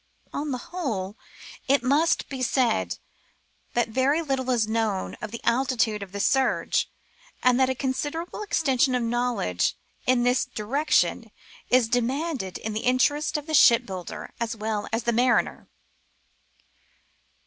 On the whole, it must be said that very little is known of the altitude of the surge, and that a considerable extension of knowledge in this direction is demanded in the interest of the ship* builder as well as the mariner.